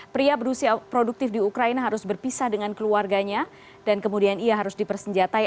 pria berusia produktif di ukraina harus berpisah dengan keluarganya dan kemudian ia harus dipersenjatai